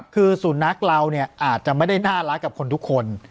คือสุนัขเราเนี่ยอาจจะไม่ได้น่ารักกับคนทุกคน